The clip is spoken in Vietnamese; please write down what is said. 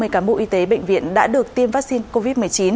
ba mươi cán bộ y tế bệnh viện đã được tiêm vaccine covid một mươi chín